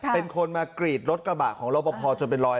เป็นคนมากรีดรถกระบะของรอปภจนเป็นรอย